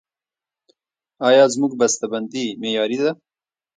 آیا زموږ بسته بندي معیاري ده؟